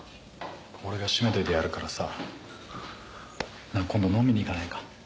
俺がシメといてやるからさなぁ今度飲みにいかないか。